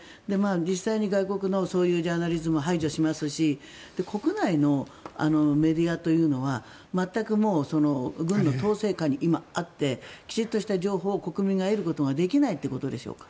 実際に外国のジャーナリズムを排除しますし国内のメディアというのは全くもう軍の統制下に今あってきちんとした情報を国民が得ることができないということでしょうか。